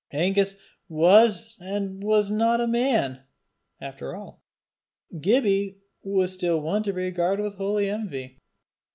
Angus was and was not a man! After all, Gibbie was still one to be regarded with holy envy.